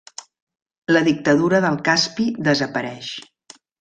La Dictadura del Caspi desapareix.